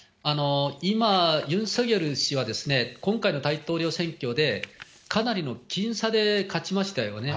今、ユン・ソギョル氏は、今回の大統領選挙でかなりの僅差で勝ちましたよね。